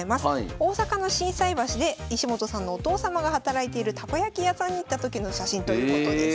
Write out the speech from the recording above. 大阪の心斎橋で石本さんのお父様が働いているたこ焼き屋さんに行った時の写真ということです。